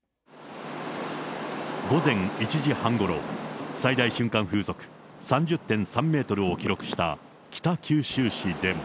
午前１時半ごろ、最大瞬間風速３０．３メートルを記録した北九州市でも。